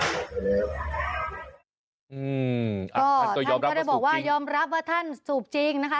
อืมอ่าท่านก็ยอมรับว่าสูบจริงท่านก็ได้บอกว่ายอมรับว่าท่านสูบจริงนะคะ